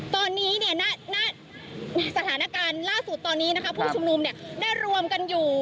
ตอนนี้เนี่ยสถานการณ์ล่าสุดตอนนี้นะครับผู้ชุมนมเนี่ยได้รวมกันอยู่